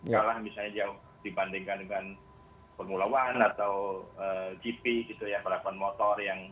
kalau misalnya dibandingkan dengan pengulauan atau gp gitu ya palapan motor yang